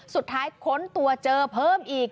สุดท้ายข้นตัวเจอเพิ่มอีก